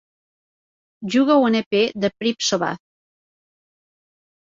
Juga un EP de Preap Sovath.